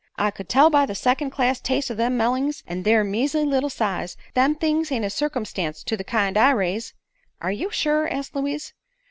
"I could tell by the second class taste o' them mellings, an' their measley little size. Them things ain't a circumstance to the kind I raise." "Are you sure?" asked Louise.